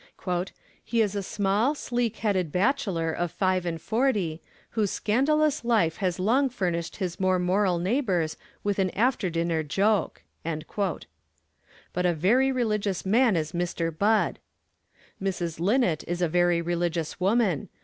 'He is a small, sleek headed bachelor of five and forty, whose scandalous life has long furnished his more moral neighbors with an afterdinner joke.' But a very religious man is Mr. Budd! Mrs. Linnett is a very religious woman.